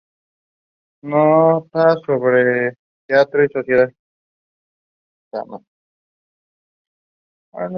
Notas sobre teatro y sociedad".